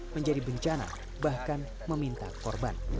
menjadi bencana bahkan meminta korban